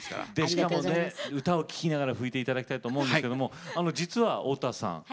しかもね歌を聴きながら拭いて頂きたいと思うんですけども実は太田さん